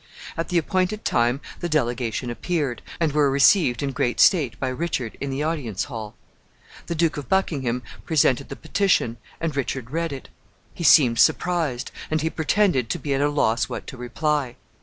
At the appointed time the delegation appeared, and were received in great state by Richard in the audience hall. The Duke of Buckingham presented the petition, and Richard read it. He seemed surprised, and he pretended to be at a loss what to reply.